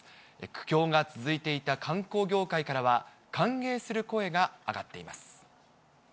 苦境が続いていた観光業界からは、歓迎する声が上がっています。